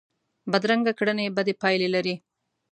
بدرنګه کړنې بدې پایلې لري